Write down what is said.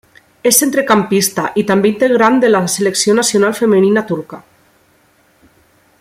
És centrecampista i també integrant de la selecció nacional femenina turca.